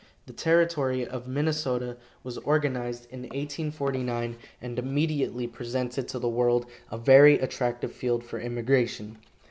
The Territory of Minnesota was organized in 1849, and immediately presented to the world a very attractive field for immigration.